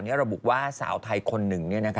ระบุว่าสาวไทยคนหนึ่ง